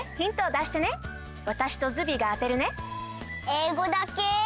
えいごだけ？